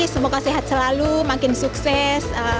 semoga sehat selalu makin sukses